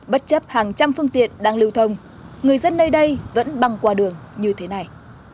bất chấp hàng trăm phương tiện đang lưu thông người dân nơi đây vẫn băng qua đường như thế này